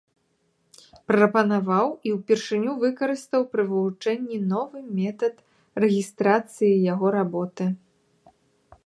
Прапанаваў і ўпершыню выкарыстаў пры вывучэнні новы метад рэгістрацыі яго работы.